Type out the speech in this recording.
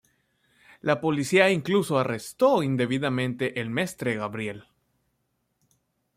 La policía incluso arrestó indebidamente el Mestre Gabriel.